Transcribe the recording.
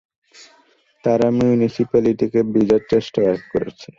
তারা মিউনিসিপ্যালিটিকে বোঝাবার চেষ্টা করছে।